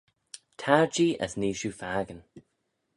Tar-jee as nee shiu fakin.